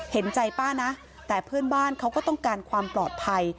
เห็นใจป้านะแต่เพื่อนบ้านเขาก็ต้องการความปลอดภัย